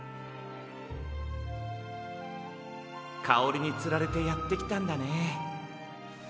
かおりにつられてやってきたんだね。